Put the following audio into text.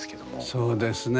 そうですね。